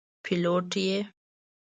پیلوټ یې.